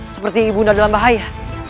seperti ibu anda dalam bahaya